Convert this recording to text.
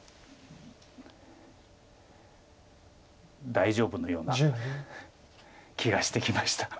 大丈夫のような気がしてきました。